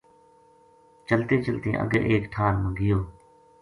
چلتیں چلتیں اگے ایک ٹھار ما گیو